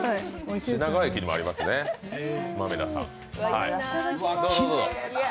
品川駅にもあります、豆狸さん。